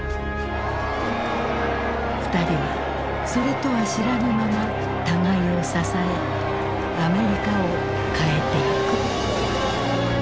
２人はそれとは知らぬまま互いを支えアメリカを変えていく。